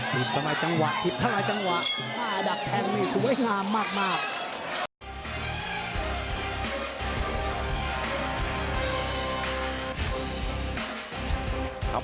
หิบทะละจังหวะ